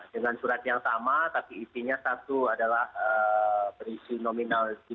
dengan surat yang sama tapi isinya satu adalah berisi nominal